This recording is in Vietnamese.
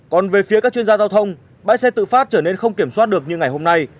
còn về phía các chuyên gia giao thông bãi xe tự phát trở nên không kiểm soát được như ngày hôm nay